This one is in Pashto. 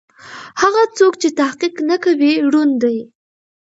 هغه څوک چې تحقيق نه کوي ړوند دی.